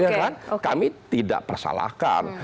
karena kami tidak persalahkan